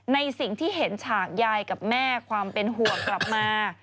ในสิ่งที่เห็นฉากยายกับแม่ความเป็นห่วงกลับมา